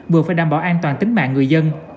vừa phải đảm bảo an toàn tính mạng người dân